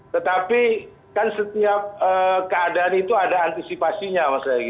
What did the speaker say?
tetapi kan setiap keadaan itu ada antisipasinya